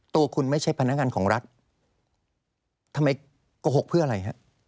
ตัวคุณไม่ใช่พนักงานของรัฐทำไมโกหกเพื่ออะไรฮะ